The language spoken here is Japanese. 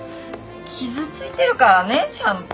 傷ついてるからねちゃんと！